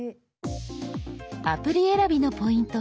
アプリ選びのポイント